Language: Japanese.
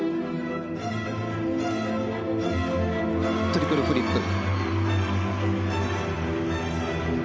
トリプルフリップ。